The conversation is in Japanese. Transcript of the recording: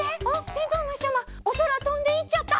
てんとうむしちゃまおそらとんでいっちゃった。